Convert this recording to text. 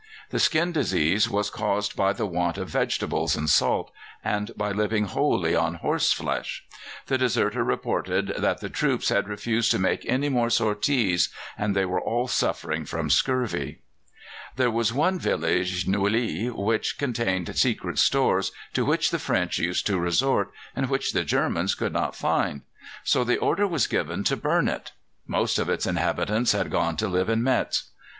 The skin disease was caused by the want of vegetables and salt, and by living wholly on horse flesh. The deserter reported that the troops had refused to make any more sorties, and they were all suffering from scurvy. There was one village, Nouilly, which contained secret stores, to which the French used to resort, and which the Germans could not find; so the order was given to burn it. Most of its inhabitants had gone to live in Metz.